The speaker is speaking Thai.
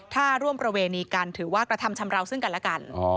ถ้าร่วมประเวณีกันถือว่ากระทำชำราวซึ่งกันและกัน